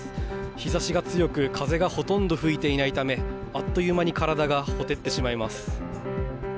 日差しが強く風がほとんど吹いていないためあっという間に体がほてってしまいます。